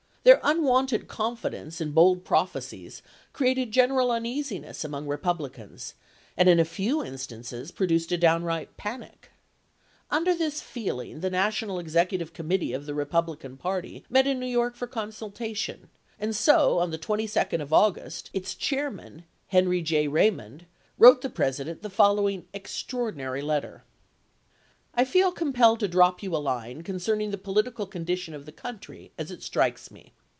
Their unwonted confidence and bold prophecies created general uneasiness among Re publicans, and, in a few instances, produced a downright panic. Under this feeling the National Executive Committee of the Republican party met in New York for consultation, and on the 22d of 1864. August, its chairman, Henry J. Raymond, wrote the President the following extraordinary letter : I feel compelled to drop you a line concerning the political condition of the country as it strikes me.